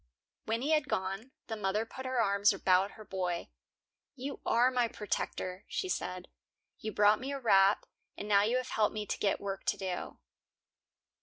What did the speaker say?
When he had gone, the mother put her arms about her boy. "You are my protector," she said. "You brought me a wrap, and now you have helped me to get work to do."